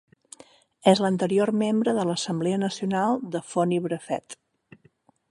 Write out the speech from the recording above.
És l'anterior membre de l'Assemblea Nacional de Foni Brefet.